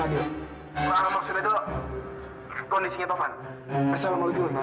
ma aku morsi dulu edo kondisinya tovan assalamualaikum ma